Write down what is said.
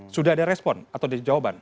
sudah ada respon atau jawaban